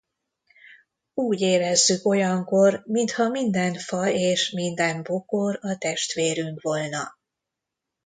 Úgy érezzük olyankor, mintha minden fa és minden bokor a testvérünk volna.